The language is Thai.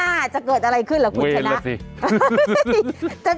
อ่าจะเกิดอะไรขึ้นเหรอคุณฉะนั้นเวรแล้วสิ